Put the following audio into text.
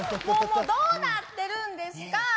もうもうどうなってるんですか？